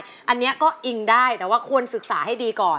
อันนี้ก็อิงได้แต่ว่าควรศึกษาให้ดีก่อน